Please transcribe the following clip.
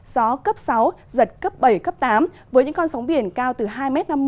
gió cấp sáu giật cấp bảy cấp tám với những con sóng biển cao từ hai m năm mươi